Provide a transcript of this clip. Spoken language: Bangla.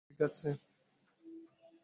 কর্গ, ঠিক আছ?